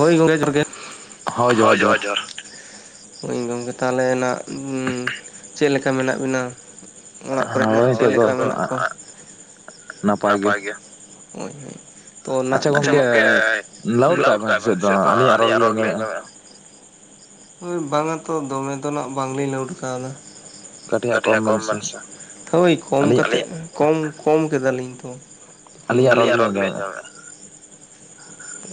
ᱦᱳᱭ ᱜᱚᱝᱠᱮ ᱡᱚᱦᱟᱨ ᱜᱮ [unintelligible] ᱦᱳᱭ ᱡᱚᱦᱟᱨ ᱡᱚᱦᱟᱨ [unintelligible] ᱜᱚᱢᱠᱮ ᱛᱟᱦᱚᱞᱮᱱᱟᱜ ᱪᱮᱫ ᱞᱮᱠᱟ ᱢᱮᱱᱟᱜ ᱵᱤᱱᱟ? ᱚᱲᱟᱜ ᱠᱚᱨᱮ [unintelligible] ᱪᱮᱫ ᱞᱮᱠᱟ ᱢᱮᱱᱟᱜ ᱠᱚᱣᱟ? [unintelligible] ᱱᱟᱯᱟᱭ ᱜᱮ᱾ [unintelligible] ᱟᱪᱪᱷᱟ ᱜᱚᱢᱠᱮ [unintelligible] ᱞᱟᱣᱩᱴ ᱟᱠᱟᱫ ᱟᱵᱤᱱ ᱥᱮ ᱪᱮᱫ ᱫᱚ ᱟᱹᱞᱤᱧᱟᱜ ᱨᱚᱲ ᱜᱮᱞᱤᱧ ᱟᱸᱡᱚᱢ ᱮᱫ [unintelligible] ᱵᱟᱝᱟ ᱛᱚ ᱫᱚᱢᱮ ᱫᱚ ᱱᱟᱜ ᱵᱟᱝᱞᱤᱧ ᱞᱟᱹᱣᱩᱴ ᱠᱟᱣᱫᱟ᱾ ᱠᱟᱹᱴᱤᱡ ᱦᱟᱜ ᱠᱚᱢ ᱵᱮᱱ ᱥᱮ ᱾ ᱦᱳᱭ ᱠᱚᱢ ᱠᱟᱛᱮᱜ ᱠᱚᱢ [unintelligible] ᱠᱮᱫᱟᱞᱤᱧ ᱛᱚ [unintelligible] ᱟᱹᱞᱤᱧᱟᱜ ᱨᱚᱲ ᱜᱮᱞᱤᱧ ᱟᱸᱡᱚᱢ ᱮᱫᱟ᱾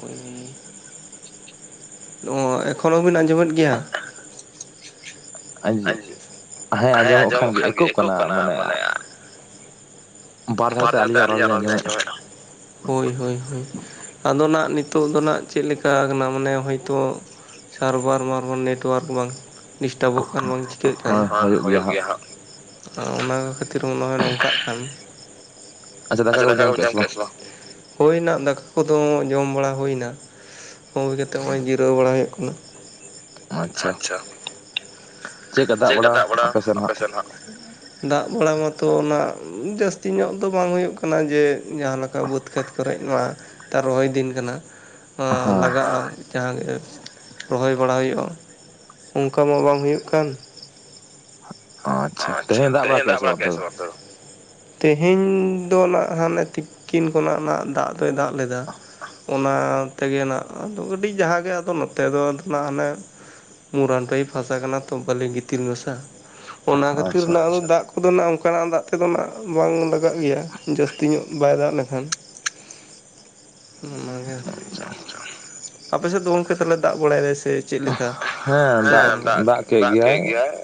[unintelligible] ᱮᱠᱷᱚᱱᱚ ᱦᱚᱸᱵᱤᱱ ᱟᱸᱡᱚᱢᱮᱫ ᱜᱮᱭᱟ [unintelligible] ᱦᱮᱸ ᱟᱸᱡᱚᱢᱚᱜ ᱠᱷᱟᱱ ᱜᱮ ᱮᱠᱳᱜ ᱠᱟᱱᱟ ᱢᱟᱱᱮ ᱵᱟᱨ ᱫᱷᱟᱣᱛᱮ ᱟᱹᱞᱤᱧᱟᱜ ᱨᱚᱲ ᱜᱮᱞᱤᱧ ᱟᱸᱡᱚᱢᱮᱫᱼᱟ᱾ ᱦᱳᱭ ᱦᱳᱭ ᱦᱳᱭ [unintelligible] ᱟᱫᱚ ᱦᱟᱸᱜ ᱱᱤᱛᱚᱜ ᱫᱚ ᱦᱟᱸᱜ ᱪᱮᱫ ᱞᱮᱠᱟ ᱠᱟᱱᱟ ᱢᱟᱱᱮ [unintelligible] ᱛᱚᱜ ᱥᱟᱨᱵᱷᱟᱨ ᱵᱟᱝ ᱨᱮᱦᱚ ᱱᱮᱴᱳᱣᱟᱨᱠ ᱵᱟᱝ ᱰᱤᱥᱴᱟᱵᱚᱜ ᱠᱟᱱ ᱵᱟᱝ ᱪᱮ? ᱴᱤᱠᱟᱹᱜ ᱠᱟᱱ, ᱦᱩᱭᱩᱜ ᱜᱮᱭᱟ ᱦᱟᱸᱜ, ᱚᱱᱟ ᱠᱷᱟᱹᱛᱤᱨ ᱢᱚᱱᱮᱦᱚᱭ ᱱᱚᱝᱠᱟᱜ ᱠᱟᱱ᱾ ᱟᱪᱪᱷᱟ ᱫᱟᱠᱟ ᱠᱚᱵᱮᱱ ᱡᱚᱢ ᱠᱮᱜᱟ ᱥᱮ ᱵᱟᱝ? ᱦᱳᱭ ᱮᱱᱟ ᱫᱟᱠᱟ ᱠᱚᱫᱚ ᱡᱚᱢ ᱵᱟᱲᱟ ᱦᱩᱭ ᱮᱱᱟ ᱦᱩᱭ ᱠᱟᱛᱮᱜ ᱱᱚᱜᱚᱭ [unintelligible] ᱡᱤᱨᱟᱹᱣ ᱵᱟᱲᱟ ᱦᱩᱭᱩᱜ ᱠᱟᱱᱟ᱾ ᱟᱪᱪᱷᱟ᱾ ᱪᱮᱫ ᱞᱮᱠᱟ ᱫᱟᱜ ᱵᱟᱲᱟ ᱟᱯᱮ ᱥᱮᱫ ᱦᱟᱜ ᱫᱟᱜ ᱵᱟᱲᱟ ᱢᱟᱛᱚ ᱱᱟᱜ ᱡᱟᱹᱥᱛᱤ ᱧᱚᱜ ᱫᱚ ᱵᱟᱝ ᱦᱩᱭᱩᱜ ᱠᱟᱱᱟ ᱡᱮ ᱡᱟᱦᱟ ᱞᱮᱠᱟ ᱵᱟᱹᱛ ᱠᱷᱮᱛ ᱠᱚᱨᱮ ᱢᱟ ᱨᱚᱦᱚᱭ ᱫᱤᱱ ᱠᱟᱱᱟ [unintelligible] ᱞᱟᱜᱟᱜᱼᱟ ᱡᱟᱦᱟ [unintelligible] ᱨᱚᱦᱚᱭ ᱵᱟᱲᱟ ᱦᱩᱭᱩᱜᱼᱟ [unintelligible] ᱚᱱᱠᱟ ᱢᱟ ᱵᱟᱝ ᱦᱩᱭᱩᱜ ᱠᱟᱱ ᱟᱪᱪᱷᱟ ᱛᱮᱦᱮᱧ ᱫᱟᱜ ᱵᱟᱲᱟ ᱠᱮᱜᱟ ᱥᱮ ᱵᱟᱝ ᱚᱱᱛᱮ ᱫᱚ ᱛᱮᱦᱮᱧ ᱫᱚ ᱱᱟᱜ ᱦᱟᱱᱮ ᱛᱤᱠᱤᱱ ᱠᱷᱚᱱᱟᱜ ᱱᱟᱜ ᱫᱟᱜ ᱫᱚᱭ ᱫᱟᱜ ᱞᱮᱫᱟ᱾ ᱚᱱᱟ ᱛᱮᱜᱮ ᱱᱟᱜ, ᱟᱫᱚ ᱠᱟᱹᱴᱤᱡ ᱡᱟᱦᱟ ᱜᱮ ᱟᱫᱚ ᱱᱚᱛᱮ ᱫᱚ ᱱᱟᱜ ᱦᱟᱱᱮ ᱢᱩᱨᱟᱹᱢ ᱴᱟᱭᱤᱯ ᱦᱟᱥᱟ ᱠᱟᱱᱟ ᱛᱚ ᱵᱟᱞᱤ ᱜᱤᱛᱤᱞ ᱢᱮᱥᱟ ᱚᱱᱟ ᱠᱷᱟᱹᱛᱤᱨ [unintelligible] ᱟᱫᱚ ᱱᱟᱜ ᱚᱱᱠᱟᱱᱟᱜ ᱫᱟᱜ ᱛᱮᱫᱚ ᱱᱟᱜ ᱵᱟᱝ ᱞᱟᱜᱟᱜ ᱜᱮᱭᱟ, ᱡᱟᱹᱥᱛᱤ ᱧᱚᱜ ᱵᱟᱭ ᱫᱟᱜ ᱞᱮᱠᱷᱟᱱ ᱾ [unintelligible] ᱚᱱᱟ ᱜᱮ ᱟᱯᱮᱥᱮᱫ ᱫᱚ ᱜᱚᱝᱠᱮ ᱛᱟᱦᱞᱮ ᱫᱟᱜ ᱵᱟᱲᱟ ᱮᱫᱟᱭ ᱥᱮ ᱪᱮᱫ ᱞᱮᱠᱟ ᱦᱮᱸ ᱫᱟᱜ ᱠᱮᱫ [unintelligible] [unintelligible] ᱜᱮᱭᱟᱭ᱾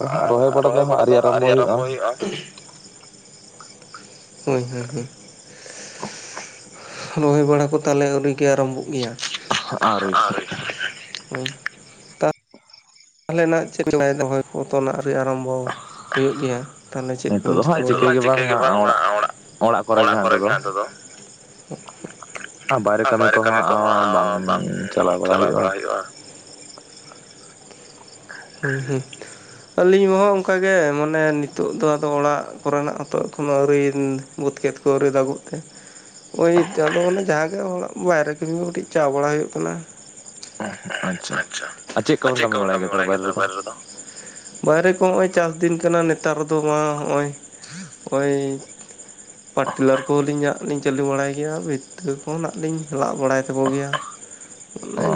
ᱟᱨ ᱨᱚᱦᱚᱭ ᱵᱟᱲᱟ ᱫᱚ ᱦᱟᱸᱜ ᱟᱹᱣᱨᱤ ᱟᱨᱟᱢᱵᱚ ᱦᱩᱭᱩᱜᱼᱟ [unintelligible] ᱦᱳᱭ ᱦᱳᱭ [unintelligible] [unintelligible] ᱨᱚᱦᱚᱭ ᱵᱟᱲᱟ ᱠᱚ ᱛᱟᱦᱞᱮ ᱟᱹᱣᱨᱤᱜᱮ ᱟᱨᱟᱢᱵᱚᱜ ᱜᱮᱭᱟ [unintelligible] [unintelligible] ᱛᱟᱦᱞᱮᱱᱟᱜ ᱪᱮᱫ [unintelligible] ᱨᱚᱦᱚᱭ ᱠᱚᱛᱚ ᱱᱟᱜ ᱟᱣᱨᱤ ᱟᱨᱟᱢᱵᱚ ᱦᱩᱭᱩᱜ ᱜᱮᱭᱟ ᱛᱟᱦᱞᱮ ᱪᱮᱫ ᱠᱚᱵᱤᱱ ᱪᱤᱠᱟᱹ ᱵᱟᱲᱟ ᱮᱫᱟ, ᱮᱠᱞᱟ ᱪᱤᱠᱟᱹ ᱜᱮ ᱵᱟᱝ ᱚᱲᱟᱜ [unintelligible] ᱠᱚᱨᱮ ᱜᱮ ᱦᱟᱸᱜ ᱱᱤᱛᱚᱜ ᱫᱚ [unintelligible] ᱟᱨ ᱵᱟᱭᱨᱮ ᱠᱟᱹᱢᱤ ᱠᱚᱦᱚᱸ ᱵᱟᱝ ᱪᱟᱞᱟᱣ ᱵᱟᱲᱟ ᱦᱩᱭᱩᱜᱼᱟ᱾ ᱦᱩᱸ, ᱦᱮᱸ ᱾ ᱟᱹᱞᱤᱧ ᱢᱟ ᱦᱚᱸ ᱚᱱᱠᱟᱜᱮ ᱢᱟᱱᱮ ᱱᱤᱛᱚᱜ ᱫᱚ ᱟᱫᱚ ᱚᱲᱟᱜ ᱠᱚᱨᱮᱱᱟᱜ ᱦᱚᱸᱛᱚ ᱟᱹᱣᱨᱤ [unintelligible] ᱵᱟᱹᱫᱽ ᱠᱷᱮᱛ ᱠᱚ ᱟᱹᱣᱨᱤ ᱫᱟᱜᱚᱜ ᱛᱮ ᱳᱭ ᱱᱤᱛᱚᱜ [unintelligible] ᱫᱚ ᱢᱟᱱᱮ ᱡᱟᱦᱟᱸᱜᱮ ᱦᱚᱲᱟᱜ ᱵᱟᱭᱨᱮ ᱠᱟᱹᱢᱤ ᱦᱚᱸ ᱠᱟᱹᱴᱤᱡ [unintelligible] ᱵᱟᱲᱟ ᱦᱩᱭᱩᱜ ᱠᱟᱱᱟ ᱪᱮᱫ ᱠᱚᱵᱤᱱ ᱠᱟᱹᱢᱤ ᱵᱟᱲᱟᱭ ᱜᱮᱭᱥ ᱛᱟᱦᱚᱞᱮ ᱵᱟᱭᱨᱮ ᱨᱮᱫᱚ [unintelligible] ᱵᱟᱭᱨᱮ ᱠᱚ ᱱᱚᱜᱼᱚᱭ ᱪᱟᱥ ᱫᱤᱱ ᱠᱟᱱᱟ ᱱᱮᱛᱟᱨ ᱫᱚ ᱢᱟ ᱱᱚᱸᱜᱼᱚᱭ ᱳᱭ ᱯᱟᱴᱴᱤᱞᱟᱨ ᱠᱚ ᱞᱤᱧ ᱤᱧᱟᱜ ᱞᱤᱧ ᱪᱟᱹᱞᱩ ᱵᱟᱲᱟᱭ ᱜᱮᱭᱟ ᱵᱷᱤ ᱛᱟᱹ ᱠᱚ ᱦᱚᱸ ᱱᱟᱜ ᱞᱤᱧ ᱞᱟᱜ ᱵᱟᱲᱟᱭ ᱛᱟᱠᱚ ᱜᱮᱭᱟ᱾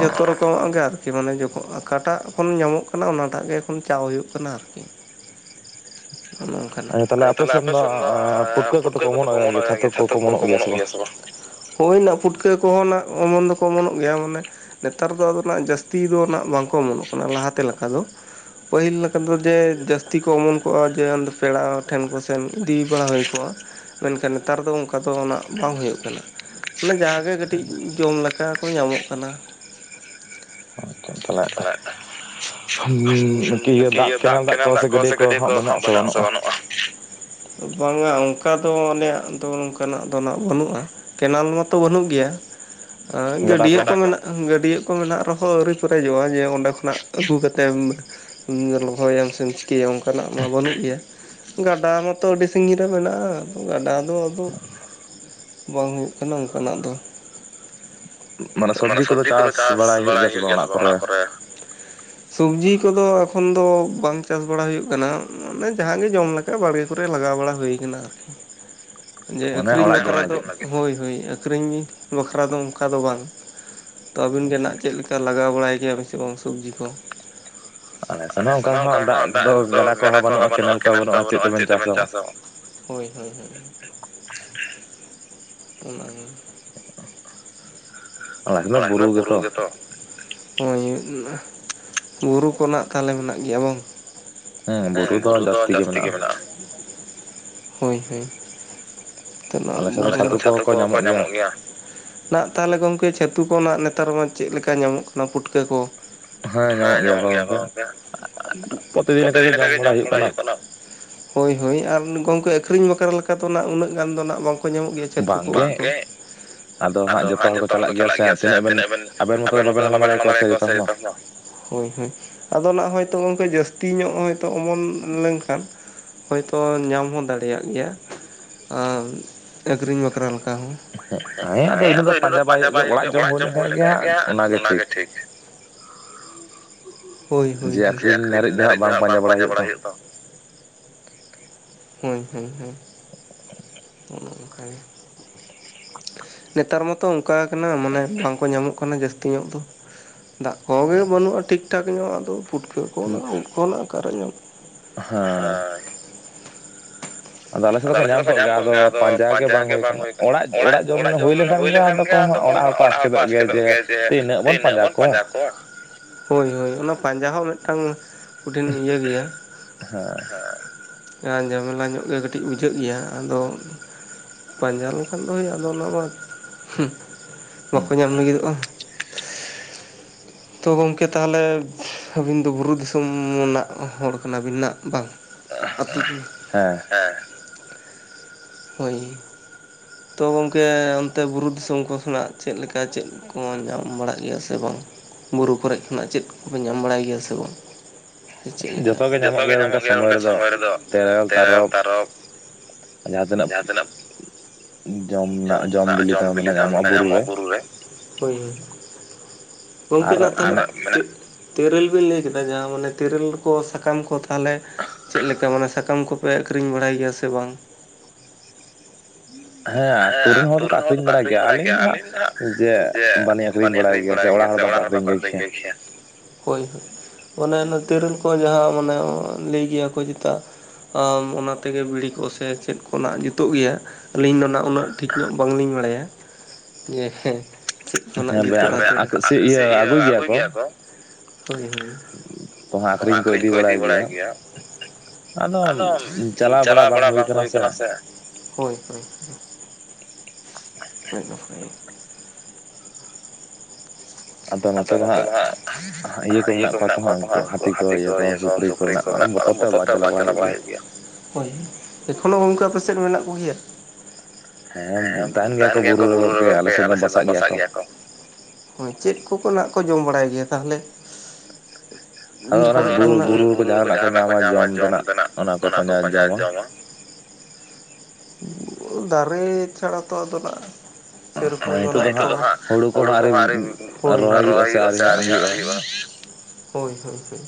ᱡᱷᱚᱛᱚ ᱨᱚᱠᱚᱢᱟᱜ ᱜᱮ ᱟᱨᱠᱤ ᱢᱟᱱᱮ ᱡᱚᱠᱷᱚᱱ ᱚᱠᱟᱴᱟᱜ ᱮᱚᱠᱷᱚᱱ ᱧᱟᱢᱚᱜ ᱠᱟᱱᱟ ᱚᱱᱟᱴᱟᱜ ᱜᱮ ᱮᱠᱷᱚᱱ ᱪᱟ ᱦᱩᱭᱩᱜ ᱠᱟᱱᱟ ᱟᱨᱠᱤ᱾ ᱚᱱᱮ ᱚᱝᱠᱟᱱᱟᱜ ᱾ ᱛᱟᱦᱞᱮ‌ ᱟᱯᱮ ᱥᱮᱫ ᱫᱚ ᱯᱩᱴᱠᱟᱹ ᱠᱚᱫᱚ ᱠᱚ ᱚᱢᱚᱱᱚᱜᱭᱟ ᱜᱮᱭᱟ ᱪᱷᱟᱹᱛᱩ ᱠᱚᱠᱚ ᱚᱱᱚᱜ ᱜᱮᱭᱟ ᱥᱮ ᱵᱟᱝ? [inaudible] ᱦᱳᱭ ᱱᱟᱜ ᱯᱩᱴᱠᱟᱹ ᱠᱚᱦᱚᱸ ᱱᱟᱜ ᱚᱢᱚᱱ ᱫᱚᱠᱚ ᱚᱢᱚᱱᱚᱜ ᱜᱮᱭᱟ ᱢᱟᱱᱮ ᱱᱮᱛᱟᱨ ᱫᱚ ᱟᱫᱚ ᱱᱟᱜ ᱡᱟᱹᱥᱛᱤ ᱫᱚ ᱱᱟᱜ ᱵᱟᱝᱠᱚ ᱚᱢᱚᱱᱚᱜ ᱠᱟᱱᱟ ᱞᱟᱦᱟᱛᱮ ᱞᱮᱠᱟ ᱫᱚ᱾ ᱯᱟᱹᱦᱤᱞ ᱞᱮᱠᱟ ᱫᱚ ᱡᱮ ᱡᱟᱹᱥᱛᱤ ᱠᱚ ᱚᱢᱚᱱ ᱠᱚᱜᱼᱟ ᱡᱮ ᱯᱮᱲᱟ ᱴᱷᱮᱱ ᱠᱚ ᱥᱮᱱ ᱤᱫᱤ ᱵᱟᱲᱟ ᱦᱩᱭ ᱠᱚᱜᱼᱟ᱾ ᱢᱮᱱᱠᱷᱟᱱ ᱱᱮᱛᱟᱨ ᱫᱚ ᱚᱱᱠᱟ ᱫᱚ ᱱᱟᱜ ᱵᱟᱝ ᱦᱩᱭᱩᱜ ᱠᱟᱱᱟ᱾ ᱢᱟᱱᱮ ᱡᱟ ᱜᱮ ᱠᱟᱹᱴᱤᱡ ᱡᱚᱢ ᱞᱮᱠᱟ ᱠᱚ ᱧᱟᱢᱚᱜ ᱠᱟᱱᱟ᱾ [unintelligible] ᱠᱤᱭᱟᱹ ᱫᱟᱜ ᱠᱮᱱᱮᱞ ᱫᱟᱜ ᱠᱚ ᱥᱮ ᱜᱟᱹᱰᱤᱭᱟᱹ ᱠᱚᱦᱚᱸ ᱢᱮᱱᱟᱜ-ᱟ ᱥᱮ ᱵᱟᱹᱱᱩᱜᱼᱟ? ᱵᱟᱝᱟ ᱚᱱᱠᱟ ᱫᱚ ᱟᱞᱮᱭᱟᱜ ᱫᱚ ᱚᱝᱠᱟᱱᱟᱜ ᱫᱚ ᱦᱟᱸᱜ ᱵᱟᱹᱱᱩᱜᱼᱟ᱾ ᱠᱮᱱᱮᱞ ᱢᱟᱛᱚ ᱵᱟᱹᱱᱩᱜ ᱜᱮᱭᱟ ᱜᱟᱹᱰᱤᱭᱟᱹ ᱠᱚ ᱢᱮᱱᱟᱜᱼᱟ, ᱜᱟᱹᱰᱤᱭᱟᱹ ᱠᱚ ᱢᱮᱱᱟᱜ ᱨᱮᱦᱚᱸ ᱟᱹᱣᱨᱤ ᱯᱮᱨᱮᱡᱚᱜᱼᱟ ᱡᱮ ᱚᱸᱰᱮ ᱠᱷᱚ ᱱᱟᱜ ᱟᱹᱜᱩ ᱠᱟᱛᱮᱢ ᱞᱚᱦᱚᱭᱟᱢ ᱥᱮᱢ ᱪᱤᱠᱟᱹᱭᱟᱢ ᱚᱱᱠᱟᱱᱟᱜ ᱢᱟ ᱵᱟᱹᱱᱩᱜ ᱜᱮᱭᱟ ᱜᱟᱰᱟ ᱢᱟᱛᱚ ᱟᱹᱰᱤ ᱥᱟᱺᱜᱤᱧ ᱨᱮ ᱢᱮᱱᱟᱜᱼᱟ, ᱜᱟᱰᱟ ᱫᱚ ᱟᱫᱚ ᱵᱟᱝ ᱦᱩᱭᱩᱜ ᱠᱟᱱᱟ ᱚᱱᱠᱟᱱᱟᱜ ᱫᱚ᱾ ᱢᱟᱱᱮ ᱥᱚᱵᱽᱡᱤ ᱠᱚᱫᱚ ᱪᱟᱥ ᱵᱟᱲᱟᱭ ᱦᱩᱭᱩᱜ ᱜᱮᱭᱟ ᱥᱮ ᱵᱟᱝ ᱚᱲᱟᱜ ᱠᱚᱨᱮ? ᱥᱚᱵᱽᱡᱤ ᱠᱚᱫᱚ ᱮᱠᱷᱚᱱ ᱫᱚ ᱵᱟᱝ ᱪᱟᱥ ᱵᱟᱲᱟ ᱦᱩᱭᱩᱜ ᱠᱟᱱᱟ ᱢᱟᱱᱮ ᱡᱟᱦᱟᱸ ᱜᱮ ᱡᱚᱢ ᱞᱮᱠᱟ ᱵᱟᱲᱜᱮ ᱠᱚᱨᱮ ᱞᱟᱜᱟᱣ ᱵᱟᱲᱟ ᱦᱩᱭ ᱠᱟᱱᱟ ᱟᱨᱠᱤ᱾ [inaudible] ᱡᱮ ᱟᱹᱠᱷᱨᱤᱧ ᱵᱟᱠᱷᱨᱟ ᱫᱚ ᱦᱳᱭ ᱦᱳᱭ ᱟᱹᱠᱷᱨᱤᱧ ᱵᱟᱠᱷᱨᱟ ᱫᱚ ᱚᱱᱠᱟ ᱫᱚ ᱵᱟᱝ ᱛᱚ ᱟᱹᱵᱤᱱ ᱜᱮ ᱱᱟᱦᱟᱜ ᱪᱮᱫ ᱞᱮᱠᱟ ᱞᱟᱜᱟᱣ ᱵᱟᱲᱟᱭ ᱜᱮᱭᱟᱵ ᱥᱮ ᱵᱟᱝ ᱥᱚᱵᱽᱡᱤ ᱠᱚ? ᱟᱞᱮ ᱫᱚ ᱱᱟᱦᱟᱜ ᱚᱱᱠᱟ ᱦᱚᱸ ᱫᱟᱜ ᱫᱚ ᱜᱟᱰᱟ ᱠᱚᱦᱚᱸ ᱵᱟᱹᱱᱩᱜᱼᱟ ᱠᱮᱱᱮᱞ ᱠᱚᱦᱚᱸ ᱵᱟᱹᱱᱩᱜᱼᱟ ᱪᱮᱫ ᱛᱮᱵᱮᱱ ᱪᱟᱥᱟ ᱦᱳᱭ ᱦᱳᱭ [inaudible] ᱦᱚ ᱚᱱᱟ ᱜᱮ᱾ [unintelligible] ᱵᱩᱨᱩ ᱜᱮᱛᱚ ᱦᱳᱭ ᱵᱩᱨᱩ ᱠᱚ ᱱᱟᱜ ᱛᱟᱦᱚᱞᱮ ᱢᱮᱱᱟᱜ ᱜᱮᱭᱟ ᱵᱟᱝ ᱦᱮᱸ ᱵᱩᱨᱩ ᱫᱚ ᱡᱟᱥᱛᱤ ᱜᱮ ᱢᱮᱱᱟᱜᱼᱟ, ᱦᱚᱭ ᱦᱚᱭ ᱟᱞᱮ ᱥᱮᱫ ᱪᱷᱟᱛᱩ ᱠᱚᱦᱚᱸ ᱠᱚ ᱧᱟᱢᱚᱜ ᱜᱮᱭᱟ ᱱᱟᱜ ᱛᱟᱦᱚᱞᱮ ᱜᱚᱝᱠᱮ ᱪᱷᱟᱹᱛᱩ ᱠᱚ ᱱᱟᱜ ᱱᱮᱛᱟᱨ ᱢᱟ ᱪᱮᱫ ᱞᱮᱠᱟ ᱧᱟᱢᱚᱜ ᱠᱟᱱᱟ ᱯᱩᱴᱠᱟᱹ ᱠᱚ ᱦᱮᱸ ᱧᱟᱢᱚᱜ ᱜᱮᱭᱟ ᱠᱚ ᱜᱚᱝᱠᱮ ᱯᱨᱚᱛᱤ ᱫᱤᱱ ᱞᱮᱠᱟ ᱜᱮ ᱡᱚᱢ ᱵᱟᱲᱟ ᱦᱩᱭᱩᱜ ᱠᱟᱱᱟ᱾ ᱦᱳᱭ ᱦᱳᱭ ᱟᱨ ᱜᱚᱝᱠᱮ ᱟᱹᱠᱷᱨᱤᱧ ᱵᱟᱠᱷᱨᱟ ᱞᱮᱠᱟ ᱫᱚ ᱱᱟᱜ ᱩᱱᱟᱹᱜ ᱜᱟᱱ ᱫᱚ ᱱᱟᱜ ᱵᱟᱝ ᱠᱚ ᱧᱟᱢᱚᱜ ᱜᱮᱭᱟ ᱪᱷᱟᱛᱩ ᱠᱚ ᱩᱱᱠᱩ ᱾ ᱵᱟᱝ ᱜᱮ ᱟᱫᱚ ᱦᱟᱸᱜ ᱡᱚᱛᱚ ᱦᱚᱲ ᱪᱟᱞᱟᱜ ᱜᱮᱭᱟ ᱥᱮ ᱛᱤᱱᱟᱹᱜ ᱵᱮᱱ ᱟᱵᱮᱱ ᱢᱚᱛᱚ ᱫᱚ ᱵᱟᱵᱮᱱ ᱦᱟᱞᱟᱝ ᱫᱟᱲᱮᱭᱟ ᱠᱚᱣᱟ ᱥᱮ ᱡᱚᱛᱚᱢ ᱫᱚ ᱦᱳᱭ ᱦᱳᱭ ᱟᱫᱚ ᱱᱟᱜ ᱦᱚᱭᱛᱚ ᱜᱚᱝᱠᱮ ᱡᱟᱹᱥᱛᱤ ᱧᱚᱜ ᱦᱚᱭᱛᱚ ᱚᱢᱚᱱ ᱞᱮᱱᱠᱷᱟᱱ ᱦᱳᱭᱛᱚ ᱧᱟᱢ ᱦᱚᱸ ᱫᱟᱲᱮᱭᱟᱜ ᱜᱮᱭᱟ ᱟᱨ ᱟᱹᱠᱷᱨᱤᱧ ᱵᱟᱠᱷᱨᱟ ᱞᱮᱠᱟ ᱦᱚᱸ ᱦᱮᱸ ᱟᱫᱚ ᱤᱱᱟᱹᱜ ᱫᱚ ᱯᱟᱸᱡᱟ ᱵᱟᱭ ᱦᱩᱭᱩᱜ ᱜᱮᱭᱟ ᱚᱲᱟᱜ ᱡᱚᱢ ᱦᱩᱭ ᱞᱮᱠᱷᱟᱡ ᱜᱮ ᱚᱱᱟᱜᱮ ᱴᱷᱤᱠ [unintelligible] ᱦᱳᱭ ᱦᱳᱭ ᱦᱳᱭ᱾ ᱡᱮ ᱟᱹᱠᱷᱨᱤᱧ ᱫᱷᱟᱹᱨᱤᱡ ᱫᱚ ᱦᱟᱸᱜ ᱵᱟᱝ ᱯᱟᱸᱡᱟ ᱵᱟᱲᱟ ᱦᱩᱭᱩᱜ ᱛᱚ᱾ ᱦᱳᱭ ᱦᱳᱭ ᱦᱳᱭ [inaudible] ᱚᱱᱮ ᱚᱱᱠᱟ ᱜᱮ᱾ ᱱᱮᱛᱟᱨ ᱢᱟᱛᱚ ᱚᱱᱠᱟ ᱠᱟᱱᱟ ᱢᱟᱱᱮ ᱵᱟᱝᱠᱚ ᱧᱟᱢᱚᱜ ᱠᱟᱱᱟ ᱡᱟᱹᱥᱛᱤ ᱧᱚᱜ ᱫᱚ ᱫᱟᱜ ᱠᱚᱦᱚᱸ ᱜᱮ ᱵᱟᱹᱱᱩᱜᱼᱟ ᱴᱷᱤᱠ ᱴᱷᱟᱠ ᱧᱚᱜ ᱟᱫᱚ ᱯᱩᱴᱠᱟᱹ ᱠᱷᱚᱱᱟᱜ ᱩᱫ ᱠᱷᱚᱱᱟᱜ ᱚᱠᱟᱨᱮ ᱧᱟᱢᱚᱜᱼᱟ ᱦᱳᱭ ᱟᱫᱚ ᱟᱞᱮ ᱥᱮᱫ ᱫᱚᱠᱚ ᱧᱟᱢ ᱠᱚᱜ ᱜᱮᱭᱟ ᱟᱫᱚ ᱯᱟᱸᱡᱟ ᱜᱮ ᱵᱟᱝ ᱦᱩᱭ ᱠᱟᱱᱟ᱾ ᱚᱲᱟᱜ ᱚᱲᱟᱜ ᱡᱚᱢ ᱦᱩᱭ ᱞᱮᱠᱷᱟᱱ ᱜᱮᱭᱟ ᱟᱫᱚ ᱠᱚᱦᱚᱸ ᱚᱲᱟᱜ ᱦᱚᱲ ᱠᱚ ᱟᱥᱠᱮᱛᱚᱜ ᱜᱮᱭᱟ ᱡᱮ ᱛᱤᱱᱟᱹᱜ ᱵᱚᱱ ᱯᱟᱸᱡᱟ ᱦᱳᱭ ᱦᱳᱭ ᱚᱱᱟ ᱯᱟᱸᱡᱟ ᱦᱚᱸ ᱢᱤᱫᱴᱟᱝ ᱠᱚᱴᱷᱮᱱ ᱤᱭᱟᱹ ᱜᱮᱭᱟ ᱡᱷᱟᱢᱮᱞᱟ ᱧᱚᱜ ᱜᱮ ᱠᱟᱹᱴᱤᱡ ᱵᱩᱡᱷᱟᱹᱜ ᱜᱮᱭᱟ ᱟᱫᱚ ᱯᱟᱸᱡᱟᱞ ᱮᱠᱷᱟᱱ ᱫᱚ [unintelligible] ᱢᱟ ᱵᱟᱠᱚ ᱧᱟᱢ ᱞᱟᱹᱜᱤᱫᱚᱜᱼᱟ [inaudible] ᱛᱚ ᱜᱚᱢᱠᱮ ᱛᱟᱦᱚᱞᱮ ᱟᱹᱵᱤᱱ ᱫᱚ ᱵᱩᱨᱩ ᱫᱤᱥᱚᱢ ᱨᱮᱱᱟᱜ ᱦᱚᱲ ᱠᱟᱱᱟ ᱵᱤᱱᱟᱜ ᱵᱟᱝ [unintelligible] ᱦᱮᱸ ᱦᱚᱭ ᱛᱚ ᱜᱚᱢᱠᱮ ᱚᱱᱛᱮ ᱵᱩᱨᱩ ᱫᱤᱥᱚᱢ ᱠᱚ ᱥᱮᱱᱟᱜ ᱪᱮᱫ ᱞᱮᱠᱟ ᱪᱮᱫ ᱠᱚ ᱧᱟᱢ ᱵᱟᱲᱟᱜ ᱜᱮᱭᱟ ᱥᱮ ᱵᱟᱝ ᱵᱩᱨᱩ ᱠᱚᱨᱮ ᱠᱷᱚᱱᱟᱜ ᱪᱮᱫ ᱠᱚᱯᱮ ᱧᱟᱢ ᱵᱟᱲᱟᱭ ᱜᱮᱭᱟ ᱥᱮ ᱵᱟᱝ ᱪᱮᱫ ᱞᱮᱠᱟ ᱡᱚᱛᱚ ᱜᱮ ᱧᱟᱢᱚᱜ ᱜᱮᱭᱟ ᱚᱱᱠᱟ ᱥᱚᱢᱚᱭ ᱨᱮᱫᱚ ᱛᱮᱨᱮᱞ ᱛᱟᱨᱚᱵ ᱡᱟᱦᱟᱸ ᱛᱤᱱᱟᱹᱜ ᱡᱚᱢ ᱨᱮᱱᱟᱜ ᱡᱚᱢ ᱵᱤᱞᱤ ᱛᱮ ᱧᱟᱢᱚᱜᱼᱟ ᱢᱟᱱᱮ ᱵᱩᱨᱩ ᱨᱮ ᱦᱚᱭ ᱦᱚᱭ ᱜᱚᱢᱠᱮ ᱱᱟᱜ ᱛᱟᱼᱼ ᱛᱤᱨᱤᱞ ᱵᱤᱞᱤ ᱠᱮᱫᱟ ᱡᱟᱦᱟᱸ ᱢᱟᱱᱮ ᱛᱤᱨᱤᱞ ᱠᱚ ᱥᱟᱠᱟᱢ ᱠᱚ ᱛᱟᱦᱚᱞᱮ ᱪᱮᱫ ᱞᱮᱠᱟ ᱢᱟᱱᱮ ᱥᱟᱠᱟᱢ ᱠᱚᱯᱮ ᱟᱹᱷᱨᱤᱧ ᱵᱟᱲᱟᱭ ᱜᱮᱭᱟ ᱥᱮ ᱵᱟᱝ ᱦᱮᱸ ᱟᱹᱛᱳ ᱨᱮᱱ ᱦᱚᱲ ᱫᱚ ᱟᱹᱠᱷᱨᱤᱧ ᱵᱟᱲᱟᱭ ᱜᱮᱭᱟ ᱟᱹᱞᱤᱧ ᱫᱚ ᱦᱟᱸᱜ ᱡᱮ ᱵᱟᱞᱮ ᱟᱹᱠᱷᱨᱤᱧ ᱵᱟᱲᱟᱭ ᱜᱮᱭᱟ ᱥᱮ ᱚᱲᱟᱜ ᱦᱚᱲ ᱵᱟᱠᱚ ᱟᱹᱠᱷᱨᱤᱧ ᱜᱮ ᱜᱮᱭᱟ ᱦᱳᱭ ᱦᱳᱭ ᱚᱱ ᱚᱱᱟ ᱛᱤᱨᱤᱞ ᱠᱚ ᱡᱟᱦᱟᱸ ᱢᱟᱱᱮ ᱞᱟᱹᱭ ᱜᱮᱭᱟ ᱠᱚ ᱡᱮᱛᱟ ᱟᱸᱻ ᱚᱱᱟ ᱛᱮᱜᱮ ᱵᱤᱲᱤ ᱠᱚ ᱥᱮ ᱪᱮᱫ ᱠᱚᱱᱟᱜ ᱡᱩᱛᱩᱜ ᱜᱮᱭᱟ ᱟᱹᱞᱤᱧ ᱱᱚᱼᱼ ᱩᱱᱟᱹᱜ ᱴᱷᱤᱠ ᱧᱚᱜ ᱵᱟᱝ ᱞᱤᱧ ᱵᱟᱲᱟᱭᱟ ᱡᱮ ᱦᱮᱸ ᱪᱮᱫ ᱠᱷᱚᱱᱟᱜ [unintelligible] ᱟᱹᱜᱩᱭ ᱜᱮᱭᱟ ᱠᱚ ᱦᱚᱭ ᱦᱚᱭ ᱫᱚᱢᱮ ᱟᱹᱠᱷᱨᱤᱧ ᱠᱚ ᱤᱫᱤ ᱵᱟᱲᱟᱭ ᱜᱮᱭᱟ ᱟᱫᱚ ᱪᱟᱞᱟᱣ ᱵᱟᱲᱟ ᱵᱟᱝ ᱦᱩᱭ ᱟᱠᱟᱱᱟ ᱥᱮ ᱦᱚᱭ ᱦᱚᱭ [unintelligible] ᱟᱫᱚ ᱱᱚᱛᱮ ᱫᱚ ᱦᱟᱸᱜ ᱤᱭᱟᱹ ᱠᱚ ᱢᱮᱱᱟᱜ ᱠᱚᱣᱟ ᱛᱚ ᱦᱟᱸᱜ ᱩᱱᱠᱩ ᱦᱟᱹᱛᱤ ᱠᱚ ᱤᱭᱟᱹ ᱥᱩᱠᱨᱤ ᱠᱚ ᱢᱮᱱᱟᱜ ᱠᱚᱣᱟ ᱵᱚᱛᱚᱨ ᱛᱮ ᱵᱟᱝ ᱪᱟᱞᱟᱣ ᱵᱟᱲᱟ ᱦᱩᱭᱩᱜ ᱜᱮᱭᱟ ᱦᱚᱭ ᱮᱠᱷᱚᱱ ᱦᱚᱸ ᱜᱚᱢᱠᱮ ᱟᱯᱮ ᱥᱮᱫ ᱢᱮᱱᱟᱜ ᱠᱚᱜᱮᱭᱟ ᱦᱮᱸ ᱛᱟᱦᱮᱱ ᱜᱮᱭᱟ ᱠᱚ ᱵᱩᱨᱩ ᱨᱮ ᱜᱚᱢᱠᱮ ᱟᱞᱮ ᱥᱮᱫ ᱫᱚ ᱵᱟᱥᱟᱜ ᱜᱮᱭᱟ ᱠᱚ ᱦᱚᱭ ᱪᱮᱫ ᱠᱚᱠᱚ ᱱᱟᱜ ᱠᱚ ᱡᱚᱢ ᱵᱟᱲᱟᱭ ᱜᱮᱭᱟ ᱛᱟᱦᱚᱞᱮ [inaudible] ᱵᱤᱨ ᱠᱚᱨᱮ [unintelligible] ᱵᱩᱨᱩ ᱨᱮ ᱡᱟᱦᱟᱸᱱᱟᱜ ᱠᱚ ᱧᱟᱢᱟ ᱡᱚᱢ ᱛᱮᱱᱟᱜ ᱚᱱᱟᱠᱚ ᱯᱟᱸᱡᱟ ᱡᱚᱢᱟ ᱫᱟᱨᱮ ᱪᱷᱟᱲᱟ ᱛᱚ ᱟᱫᱚ ᱱᱷᱟᱜ [unintelligible] ᱱᱤᱛᱚᱜ ᱫᱚ ᱦᱟᱸᱜ ᱦᱩᱲᱩ ᱠᱚᱦ ᱟᱨ ᱨᱚᱦᱚᱭ ᱦᱩᱭᱩᱜ ᱟ ᱥᱮ ᱟᱨᱡᱟᱣ ᱦᱩᱭᱩᱜᱼᱟ ᱦᱳᱭ ᱦᱳᱭ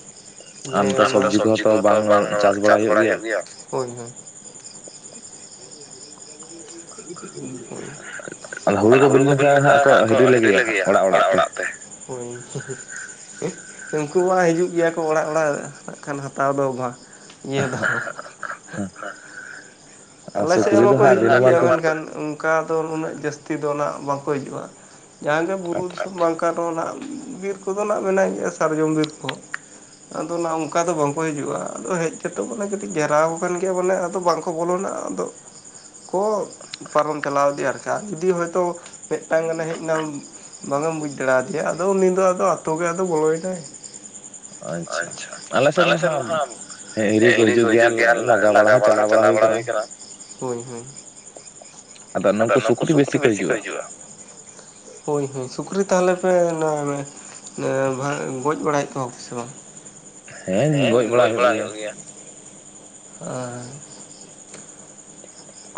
ᱦᱳᱭ ᱟᱨ ᱱᱚᱛᱮ ᱥᱚᱵᱽᱡᱤ ᱠᱚᱦᱚᱸ ᱛᱚ ᱵᱟᱝ ᱪᱟᱥ ᱵᱟᱲᱟ ᱦᱩᱭᱩᱜ ᱜᱮᱭᱟ ᱾ [inaudible] ᱦᱳᱲᱳ ᱠᱚ ᱵᱤᱞᱤ ᱞᱮᱱᱠᱷᱟᱱ ᱦᱟᱸᱜ ᱠᱚ ᱦᱤᱨᱤ ᱞᱮᱜᱮᱭᱟ ᱱᱷᱟᱜ ᱚᱲᱟᱜ ᱚᱲᱟᱜ ᱛᱮ ᱾ ᱦᱚᱭ [unintelligible] ᱩᱱᱠᱩ ᱣᱟᱜ ᱦᱤᱡᱩᱜ ᱜᱮᱭᱟ ᱠᱚ ᱚᱲᱟᱜ ᱚᱲᱟᱜ ᱠᱷᱟᱱ ᱦᱟᱛᱟᱣ ᱫᱚ ᱵᱟᱸ ᱾ ᱦᱟᱸ ᱟᱞᱮ ᱥᱮᱫ ᱦᱚᱸ ᱢᱟᱠᱚ ᱦᱤᱡᱩᱜ ᱜᱮᱭᱟ ᱢᱮᱱᱠᱷᱟᱱ ᱾ ᱚᱱᱠᱟ ᱫᱚ ᱩᱱᱟᱹᱜ ᱡᱟᱹᱥᱛᱤ ᱫᱚ ᱱᱟᱜ ᱵᱟᱝ ᱠᱚ ᱦᱤᱡᱩᱜᱼᱟ ᱡᱟᱦᱟᱸ ᱜᱮ ᱵᱩᱨᱩ [unintelligible] [unintelligible] ᱱᱟᱜ ᱵᱤᱨ ᱠᱚᱫᱚ ᱱᱟᱜ ᱢᱮᱱᱟᱜ ᱜᱮᱭᱟ ᱥᱟᱨᱡᱚᱢ ᱵᱤᱨ ᱠᱚ ᱾ ᱟᱫᱚ ᱱᱟᱜ ᱚᱝᱠᱟ ᱫᱚ ᱵᱟᱝᱠᱚ ᱦᱤᱡᱩᱜᱼᱟ ᱟᱫᱚ ᱦᱮᱡ ᱠᱮᱛᱮ ᱵᱚᱞᱮ ᱠᱟᱹᱴᱤᱡ ᱜᱮᱨᱟᱣ ᱠᱟᱱ ᱜᱮᱭᱟ ᱵᱚᱞᱮ ᱟᱫᱚ ᱵᱟᱝ ᱠᱚ ᱵᱚᱞᱚᱱᱟ ᱾ ᱟᱫᱚ ᱠᱚ ᱯᱟᱨᱚᱢ ᱪᱟᱞᱟᱣ ᱤᱫᱤᱜᱼᱟ ᱟᱨᱠᱤ ᱡᱩᱫᱤ ᱦᱚᱭᱛᱳ ᱢᱤᱫᱴᱟᱹᱝ ᱜᱟᱱᱮ ᱦᱮᱡ ᱮᱱᱟ ᱵᱟᱝ ᱮᱢ ᱵᱩᱡᱽ ᱫᱟᱲᱮ ᱟᱫᱮᱭᱟ ᱟᱫᱚ ᱩᱱᱤ ᱫᱚ ᱟᱫᱚ ᱟᱹᱛᱳ ᱜᱮ ᱟᱫᱚ ᱵᱚᱞᱚ ᱮᱫᱟᱭ᱾ ᱟᱪᱪᱷᱟ ᱟᱞ ᱥᱮᱫ ᱢᱟ ᱦᱟᱸᱜ ᱦᱮᱸ ᱦᱤᱨᱤ ᱠᱚ ᱦᱤᱡᱩᱜ ᱜᱮᱭᱟ ᱞᱟᱜᱟ ᱵᱟᱲᱟ ᱦᱚᱸ ᱪᱟᱞᱟᱣ ᱵᱟᱲᱟ ᱦᱩᱭ ᱟᱠᱟᱱᱟ ᱾ ᱦᱚᱭ ᱦᱩᱸ ᱟᱫᱚ ᱱᱩᱝᱠᱩ ᱥᱩᱠᱨᱤ ᱵᱮᱥᱤ ᱠᱚ ᱦᱤᱡᱩᱜᱼᱟ ᱾ [inaudible] ᱦᱳᱭ ᱦᱳᱭ ᱥᱩᱠᱨᱤ ᱛᱟᱦᱮᱞᱮ ᱯᱮ ᱜᱚᱡ ᱵᱟᱲᱟᱭᱮᱫ ᱠᱚᱣᱟ ᱯᱮ ᱥᱮ ᱵᱟᱝ ᱦᱮᱸ ᱜᱚᱡ ᱵᱟᱲᱟ ᱦᱩᱭᱩᱜ ᱜᱮᱭᱟ ᱾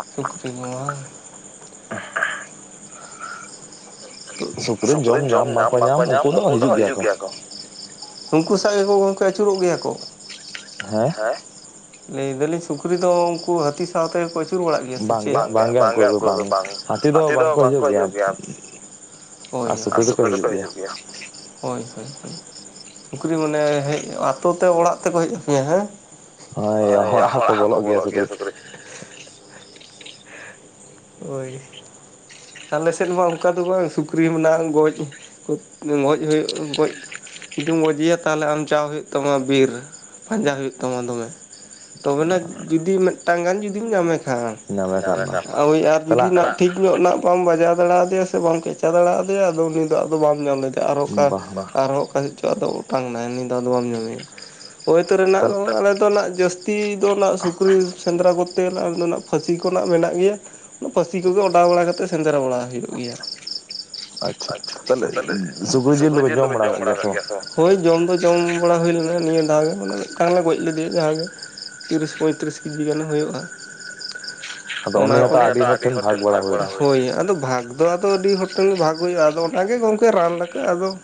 [unintelligible] ᱥᱩᱠᱨᱤ ᱡᱚᱢ ᱧᱟᱢ ᱵᱟᱝᱠᱚ ᱧᱟᱢ ᱩᱱᱠᱩ ᱫᱚ ᱦᱤᱡᱩᱜ ᱜᱮᱭᱟ ᱠᱚ ᱾ ᱩᱱᱠᱩ ᱥᱟᱜ ᱜᱮᱠᱚ ᱜᱚᱝᱠᱮ ᱟᱹᱪᱩᱨᱚᱜ ᱜᱮᱭᱟ ᱠᱚ ᱦᱮ ᱞᱟᱹᱭ ᱫᱟᱞᱤᱧ ᱥᱩᱠᱨᱤ ᱫᱚ ᱩᱱᱠᱩ ᱦᱟᱹᱛᱤ ᱥᱟᱶ ᱛᱮᱠᱚ ᱟᱪᱩ ᱪᱩᱨ ᱵᱲᱟᱜ ᱜᱮᱭᱟ ᱥᱮᱪᱮ ᱵᱟᱝᱜᱮ ᱵᱟᱝᱜᱮ ᱩᱱᱠᱩ ᱫᱚ ᱵᱟᱝ ᱦᱟᱹᱛᱤ ᱫᱚ ᱵᱟᱝᱠᱚ ᱦᱤᱡᱩᱜ ᱜᱮᱭᱟ ᱾ ᱦᱳᱭ ᱟᱨ ᱥᱩᱠᱨᱤ ᱫᱚᱠᱚ ᱦᱤᱡᱩᱜ ᱜᱮᱭᱟ ᱾ ᱦᱳᱭ ᱦᱳᱭ ᱦᱚᱭ ᱥᱩᱠᱨᱤ ᱢᱟᱱᱮ ᱦᱮᱡ ᱟᱹᱛᱳ ᱛᱮ ᱚᱲᱟᱜ ᱛᱮᱠᱚ ᱦᱮᱡ ᱟᱯᱮᱭᱟ ᱦᱮᱸ ᱾ ᱦᱳᱭ ᱚᱲᱟᱜ ᱦᱚᱸᱠᱚ ᱵᱚᱞᱚᱜ ᱜᱮᱭᱟ ᱥᱩᱠᱨᱤ ᱾ ᱳᱭ ᱟᱞᱮ ᱥᱮᱫ ᱢᱟ ᱚᱝᱠᱟ ᱫᱚ ᱵᱟᱝ ᱥᱩᱠᱨᱤ ᱢᱮᱱᱟᱝ ᱜᱚᱡ ᱜᱚᱡ ᱦᱳᱭᱳᱜ ᱜᱚᱡ ᱡᱩᱫᱤᱢ ᱜᱚᱡᱮᱭᱟ ᱛᱟᱦᱞᱮ ᱟᱢ ᱪᱟᱣ ᱦᱩᱭᱩᱜ ᱛᱟᱢᱟ ᱵᱤᱨ ᱾ ᱯᱟᱸᱡᱟ ᱦᱩᱭᱩᱜ ᱛᱟᱢᱟ ᱫᱚᱢᱮ ᱛᱚᱵᱮᱱᱟ ᱡᱩᱫᱤ ᱢᱤᱫᱴᱟᱝ ᱜᱟᱱ ᱡᱩᱫᱤᱢ ᱧᱟᱢᱮ ᱾ ᱦᱮᱸ ᱳᱭ ᱟᱨ ᱡᱩᱫᱤ ᱱᱟ ᱴᱷᱤᱠ [unintelligible] ᱱᱟᱜ ᱵᱟᱢ ᱵᱟᱡᱟᱣ ᱫᱟᱲᱮ ᱟᱫᱮᱭᱟ ᱥᱮ ᱵᱟᱢ ᱠᱮᱪᱟ ᱫᱟᱲᱮ ᱟᱫᱮᱭᱟ ᱟᱫᱚ ᱩᱱᱤ ᱫᱚ ᱟᱫᱚ ᱵᱟᱢ ᱧᱟᱢ ᱞᱮᱫᱮᱭᱟ ᱾ ᱟᱨᱚ ᱚᱠᱟ ᱟᱨᱚ ᱚᱠᱟ ᱥᱮᱜ ᱪᱚ ᱟᱫᱚ ᱚᱴᱟᱝ ᱱᱟᱭ ᱩᱱᱤ ᱫᱚ ᱟᱫᱚ ᱵᱟᱢ ᱧᱟᱢᱮᱭᱟ ᱾ ᱦᱚᱭᱮᱛ ᱨᱚ ᱱᱟᱜ ᱟᱞᱮ ᱫᱚ ᱱᱟᱜ ᱡᱟᱹᱥᱛᱤ ᱫᱚ ᱱᱟᱜ ᱥᱩᱠᱨᱤ ᱥᱮᱸᱫᱽᱨᱟ ᱠᱚᱨᱛᱮ ᱟᱞᱮ ᱫᱚ ᱱᱟᱜ ᱯᱷᱟᱹᱥᱤ ᱠᱚᱱᱟᱜ ᱢᱮᱱᱟᱜ ᱜᱮᱭᱟ ᱯᱷᱟᱹᱥᱤ ᱠᱚᱜᱮ ᱚᱰᱟᱣ ᱵᱟᱲᱟ ᱠᱟᱛᱮᱫ ᱥᱮᱸᱫᱽᱨᱟ ᱵᱟᱲᱟ ᱦᱩᱭᱩᱜ ᱜᱮᱭᱟ ᱾ ᱟᱪᱪᱷᱟ ᱛᱟᱦᱞᱮ ᱥᱩᱠᱨᱤ ᱡᱤᱞ ᱫᱚᱵᱤᱱ ᱡᱚᱢ ᱵᱟᱲᱟ ᱠᱟᱜ ᱜᱮᱭᱟ ᱥᱮ ᱵᱟᱝ ᱦᱳᱭ ᱡᱚᱢ ᱫᱚ ᱡᱚᱢ ᱵᱟᱲᱟ ᱦᱩᱭ ᱞᱮᱱᱟ ᱱᱤᱭᱟᱹ ᱫᱷᱟᱣ ᱜᱮ ᱢᱟᱱᱮ ᱴᱟᱝ ᱞᱮ ᱜᱚᱡ ᱞᱮᱫᱮᱭᱟ ᱡᱟᱦᱟᱸᱜ ᱜᱮ ᱾ ᱛᱤᱨᱤᱥ ᱯᱳᱭᱛᱨᱤᱥ ᱠᱮᱡᱤ ᱜᱟᱱ ᱮ ᱦᱳᱭᱳᱜᱼᱟ ᱚᱱᱟ ᱟᱹᱰᱤ ᱦᱚᱲ ᱴᱷᱮᱱ ᱵᱷᱟᱜ ᱦᱳᱭ ᱟᱫᱚ ᱵᱷᱟᱠ ᱾ ᱛᱚ ᱟᱫᱚ ᱟᱹᱰᱤ ᱦᱚᱲ ᱴᱷᱮᱱ ᱵᱷᱟᱠ ᱦᱩᱭᱩᱜᱼᱟ ᱟᱫᱚ ᱚᱱᱟᱜᱮ ᱜᱚᱝᱠᱮ ᱨᱟᱱ ᱞᱮᱠᱟ ᱟᱫᱚ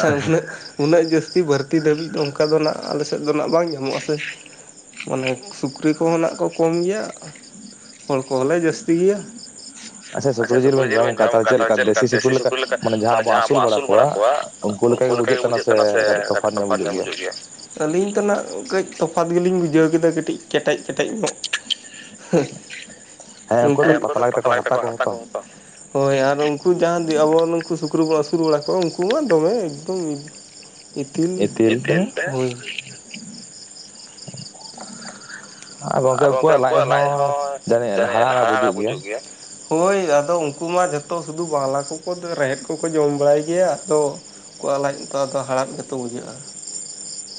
᱾ ᱩᱱᱟᱹᱜ ᱡᱟᱹᱥᱛᱤ ᱵᱟᱹᱲᱛᱤ ᱫᱷᱟᱹᱵᱤᱡ ᱚᱝᱠᱟ ᱫᱚ ᱱᱟᱜ ᱟᱞᱮ ᱥᱮᱫ ᱫᱚ ᱱᱟᱜ ᱵᱟᱝ ᱧᱟᱢᱚᱜᱼᱟ ᱥᱮ ᱾ ᱢᱟᱱᱮᱡ ᱥᱩᱠᱨᱤ ᱠᱚᱦᱚᱸ ᱱᱟᱜ ᱠᱚ ᱠᱚᱢ ᱜᱮᱭᱟ ᱾ ᱦᱚᱲ ᱠᱚᱦᱚᱸᱞᱮ ᱡᱟᱹᱥᱛᱤ ᱜᱮᱭᱟ ᱾ ᱟᱪᱷᱟ ᱥᱩᱠᱨᱤ ᱡᱤᱞ ᱵᱤᱱ ᱡᱚᱢ ᱠᱟᱜ ᱛᱟ ᱪᱮᱜ ᱞᱮᱠᱟ ᱫᱮᱥᱤ ᱥᱩᱠᱨᱤ ᱞᱮᱠᱟ ᱢᱟᱱᱮ ᱡᱟᱦᱟᱸ ᱵᱚ ᱟᱹᱥᱩᱞ ᱵᱟᱲᱟ ᱠᱚᱣᱟ ᱩᱱᱠᱩ ᱞᱮᱠᱟ ᱜᱮ ᱵᱩᱡᱷᱟᱹᱜ ᱠᱟᱱᱟ ᱥᱮ ᱠᱟᱹᱴᱤᱡ ᱛᱚᱯᱷᱟᱛ ᱧᱚᱜ ᱵᱩᱡᱩᱜ ᱜᱮᱭᱟ ᱾ ᱟᱹᱞᱤᱧ ᱛᱚ ᱱᱟᱜ ᱠᱟᱹᱡ ᱛᱚᱯᱷᱟᱛ ᱜᱮᱞᱤᱧ ᱵᱩᱡᱷᱟᱹᱣ ᱠᱮᱫᱟ ᱠᱟᱹᱴᱤᱡ ᱠᱮᱴᱮᱡ ᱠᱮᱴᱮᱡ ᱧᱚᱜ ᱾ ᱩᱱᱠᱩ ᱩᱱᱠᱩ ᱫᱚ ᱯᱟᱛᱞᱟ ᱜᱮᱛᱟᱠᱚ ᱦᱟᱨᱛᱟ ᱠᱚ ᱦᱚᱸ ᱾ ᱦᱳᱭ ᱟᱨ ᱩᱱᱠᱩ ᱡᱟᱦᱟᱸ ᱫᱤ ᱟᱵᱚ ᱱᱩᱠᱩ ᱥᱩᱠᱨᱤ ᱵᱚᱱ ᱟᱹᱥᱩᱞ ᱵᱟᱲᱟ ᱠᱚᱣᱟ ᱩᱱᱠᱩ ᱢᱟ ᱫᱚᱢᱮ ᱮᱠᱫᱚᱢ ᱼᱼ ᱤᱛᱤᱞ ᱮᱛᱮᱞ ᱛᱮ ᱦᱳᱭ ᱼᱼ ᱟᱨ ᱵᱟᱝ ᱠᱷᱟᱡ ᱩᱱᱠᱩᱣᱟᱜ ᱞᱟᱡ ᱦᱚᱸ ᱡᱟᱨᱮᱡ ᱞᱟᱦᱟ ᱵᱩᱡᱩᱜ ᱜᱮᱭᱟ ᱾ ᱦᱳᱭ ᱟᱫᱚ ᱩᱱᱠᱩ ᱢᱟ ᱡᱚᱛᱚ ᱥᱩᱫᱷᱩ ᱵᱟᱝᱞᱟ ᱠᱚᱠᱚ ᱨᱮᱦᱮᱫ ᱠᱚᱠᱚ ᱡᱚᱢ ᱵᱟᱲᱟᱭ ᱜᱮᱭᱟ ᱟᱫᱚ ᱼᱼ ᱚᱣᱟᱜ ᱞᱟᱡ ᱛᱚ ᱫᱚ ᱦᱟᱲᱦᱟᱫ ᱜᱮᱛᱚ ᱵᱩᱡᱷᱟᱹᱜᱼᱟ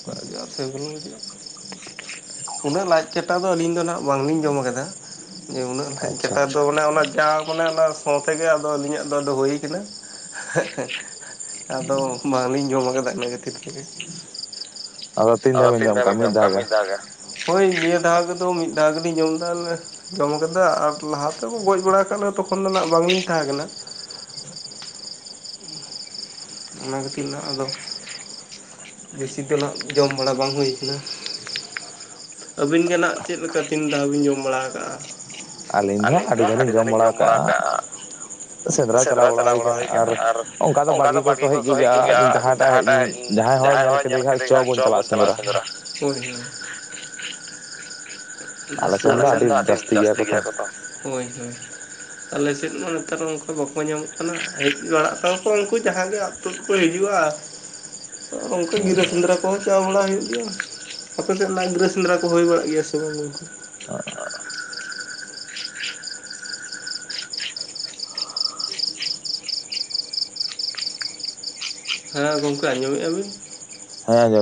ᱵᱩᱡᱷᱟᱹᱜᱼᱟ ᱾ ᱩᱱᱟᱹᱜ ᱞᱟᱡ ᱠᱟᱴᱟ ᱫᱚ ᱟᱹᱞᱤᱧ ᱫᱚ ᱱᱟ-ᱦᱟᱸᱜ ᱵᱟᱝᱞᱤᱧ ᱡᱚᱢ ᱟᱠᱟᱫᱟ ᱾ ᱡᱮ ᱩᱱᱟᱹᱜ ᱫᱟᱡ ᱠᱟᱴᱟ ᱫᱚ ᱚᱱᱟ ᱚᱱᱟ ᱡᱟ ᱢᱟᱱᱮ ᱚᱱᱟ ᱥᱚᱸ ᱛᱮᱜᱮ ᱟᱫᱚ ᱟᱹᱞᱤᱧᱟᱜ ᱫᱚ ᱦᱩᱭ ᱠᱟᱱᱟ ᱾ ᱟᱫᱚ ᱵᱟᱝᱞᱤᱧ ᱡᱚᱢ ᱟᱠᱟᱫᱟ ᱤᱱᱟᱹ ᱠᱷᱟᱹᱛᱤᱨ ᱛᱮᱜᱮ ᱾ ᱟᱫᱚ ᱛᱤᱱ ᱫᱷᱟᱣ ᱵᱮᱱ ᱡᱚᱢ ᱠᱟᱜ ᱢᱤᱫ ᱫᱷᱟᱣ ᱜᱮ ᱦᱳᱭ ᱤᱭᱟᱹ ᱼᱼ ᱫᱟᱜᱽ ᱫᱚ ᱢᱤᱫ ᱫᱷᱟᱣ ᱜᱤᱞᱤᱧ ᱡᱚᱢᱫᱟ ᱮᱱᱮ ᱾ ᱡᱚᱢ ᱠᱟᱫᱟ ᱟᱨ ᱞᱟᱦᱟ ᱛᱮᱦᱚᱸ ᱜᱚᱡ ᱵᱟᱲᱟ ᱟᱠᱟᱜ ᱞᱮ ᱛᱚᱠᱷᱚᱱ ᱫᱚ ᱱᱟᱜ ᱵᱟᱝ ᱤᱧ ᱛᱟᱦᱮᱸ ᱠᱟᱱᱟ ᱾ ᱚᱱᱟ ᱠᱷᱟᱹᱛᱤᱨ ᱱᱟᱦᱟᱜ ᱟᱫᱚ ᱵᱮᱥᱤ ᱫᱚ ᱱᱟᱜ ᱡᱚᱢ ᱵᱟᱲᱟ ᱵᱟᱝ ᱦᱩᱭ ᱠᱟᱱᱟ ᱾ ᱟᱵᱤᱱ ᱜᱮ ᱱᱟᱜ ᱪᱮᱜ ᱞᱮᱠᱟ ᱛᱤᱱ ᱫᱷᱟᱣ ᱵᱤᱱ ᱡᱚᱢ ᱵᱟᱲᱟ ᱠᱟᱜᱼᱟ ᱾ ᱟᱹᱞᱤᱧ ᱫᱚ ᱟᱹᱰᱤ ᱫᱷᱟᱣ ᱞᱤᱧ ᱡᱚᱢ ᱵᱟᱲᱟ ᱠᱟᱜᱼᱟ ᱼᱼ ᱥᱮᱸᱫᱽᱨᱟ ᱪᱟᱞᱟᱣ ᱵᱟᱲᱟ ᱦᱩᱭ ᱠᱟᱱᱟ ᱟᱨ ᱚᱱᱠᱟ ᱫᱚ ᱵᱟᱝ ᱼᱼ ᱠᱚᱠᱚ ᱦᱮᱡ ᱚᱪᱚᱜ ᱜᱮᱭᱟ ᱡᱟᱦᱟᱸᱴᱟᱜ ᱡᱟᱦᱟᱸᱭ ᱦᱚᱸ ᱧᱮᱞ ᱠᱮᱫᱮ ᱠᱷᱟᱡ ᱪᱚ ᱵᱚᱱ ᱪᱟᱞᱟᱜᱼᱟ ᱥᱮᱸᱫᱽᱨᱟ ᱾ ᱦᱳᱭ ᱦᱳᱭ ᱼᱼ ᱟᱞᱮ ᱥᱮᱱ ᱫᱚ ᱟᱹᱰᱤ ᱡᱟᱹᱥᱛᱤ ᱜᱮᱭᱟ ᱠᱚ ᱛᱚ ᱦᱳᱭ ᱦᱳᱭ ᱾ ᱟᱞᱮ ᱥᱮᱫ ᱢᱟ ᱱᱮᱛᱟᱨ ᱚᱱᱠᱩ ᱵᱟᱠᱚ ᱧᱟᱢᱚᱜ ᱠᱟᱱᱟ ᱦᱮᱡ ᱵᱟᱲᱟᱜ ᱠᱟᱱ ᱠᱚ ᱩᱱᱠᱩ ᱼᱼ ᱡᱟᱦᱟ ᱜᱮ ᱟᱛᱳ ᱠᱩᱠᱩ ᱦᱤᱡᱩᱜᱼᱟ ᱾ ᱟᱨ ᱩᱱᱠᱩ ᱜᱤᱨᱟᱹ ᱥᱮᱸᱫᱽᱨᱟ ᱠᱚᱦᱚᱸ ᱪᱟᱣ ᱵᱟᱲᱟ ᱦᱩᱭᱩᱜ ᱜᱮᱭᱟ ᱾ ᱟᱯᱮ ᱥᱮᱫ ᱚᱱᱟ ᱜᱤᱨᱟᱹ ᱥᱮᱸᱫᱽᱨᱟ ᱠᱚ ᱦᱩᱭ ᱵᱟᱲᱟᱜ ᱜᱮᱭᱟ ᱥᱮ ᱵᱟᱝ ᱱᱚᱝᱠᱟ? [unintelligible] ᱦᱮᱸ ᱜᱚᱝᱠᱮ ᱟᱸᱡᱚᱢᱮᱜᱼᱟ ᱵᱤᱱ? ᱦᱮᱸ ᱟᱸᱡᱚᱢ ᱾